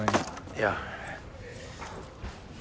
いや。